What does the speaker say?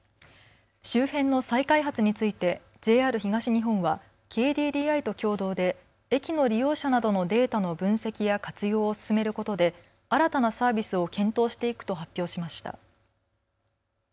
周辺の再開発についてＪＲ東日本はＫＤＤＩと共同で駅の利用者などのデータの分析や活用を進めることで新たなサービスを検討していくと発表しました。